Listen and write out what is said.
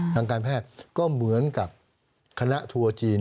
ทางการแพทย์ก็เหมือนกับคณะทัวร์จีน